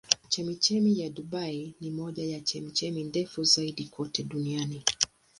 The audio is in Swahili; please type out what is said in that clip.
Chemchemi ya Dubai ni moja ya chemchemi ndefu zaidi kote duniani.